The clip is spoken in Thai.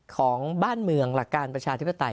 ของบ้านเมืองหลักการประชาธิปไตย